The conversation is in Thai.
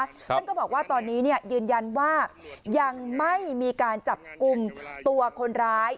ท่านก็บอกว่าตอนนี้ยืนยันว่ายังไม่มีการจับกลุ่มตัวคนร้าย